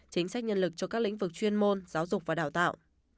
chính sách nhân lực cho các lĩnh vực chuyên môn giáo dục và đào tạo